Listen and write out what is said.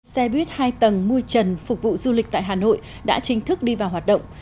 xe buýt hai tầng mui trần phục vụ du lịch tại hà nội đã chính thức đi vào hoạt động